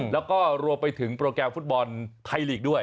แล้วก็รวมไปถึงโปรแกรมฟุตบอลไทยลีกด้วย